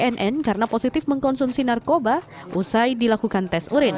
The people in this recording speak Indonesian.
bnn karena positif mengkonsumsi narkoba usai dilakukan tes urin